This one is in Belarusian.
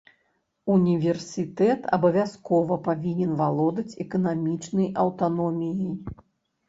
Універсітэт абавязкова павінен валодаць эканамічнай аўтаноміяй.